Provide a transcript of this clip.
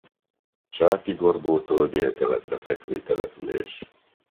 Csákigorbótól délkeletre fekvő település.